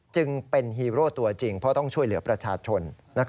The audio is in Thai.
จึงเป็นฮีโร่ตัวจริงเพราะต้องช่วยเหลือประชาชน